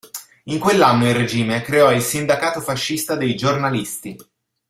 In quell'anno il regime creò il Sindacato fascista dei giornalisti.